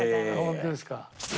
本当ですか。